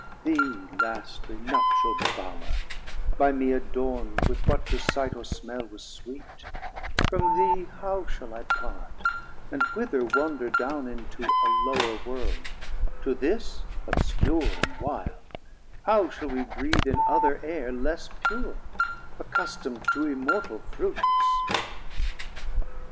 Thee lastly nuptial Bowre, by mee adornd 280 With what to sight or smell was sweet; from thee How shall I part, and whither wander down Into a lower World, to this obscure And wilde, how shall we breath in other Aire Less pure, accustomd to immortal Fruits?